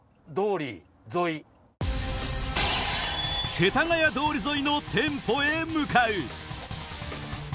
世田谷通り沿い。へ向かう！